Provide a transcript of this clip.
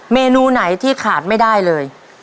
เมนูไหนที่ขาดไม่ได้เลย